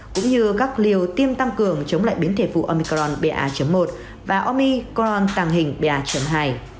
cũng như các liều tiêm tăng cường chống lại biến thể vụ omicron ba một và omicron tàng hình ba hai